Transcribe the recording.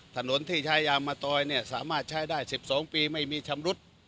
ถนนที่ใช้ยามะตอยสามารถใช้ได้๑๒ปีไม่มีชำรุด